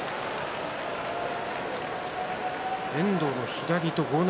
遠藤の左と豪ノ